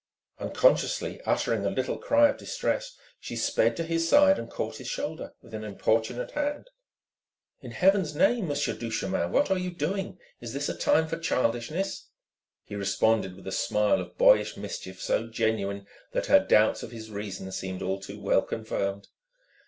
Unconsciously uttering a little cry of distress she sped to his side and caught his shoulder with an importunate hand. "In Heaven's name, Monsieur Duchemin, what are you doing? Is this a time for childishness ?" He responded with a smile of boyish mischief so genuine that her doubts of his reason seemed all too well confirmed.